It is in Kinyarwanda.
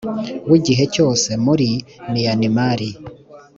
w igihe cyose muri miyanimari